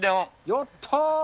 やったー。